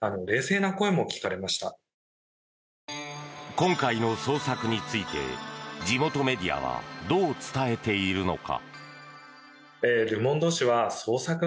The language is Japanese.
今回の捜索について地元メディアはどう伝えているのか。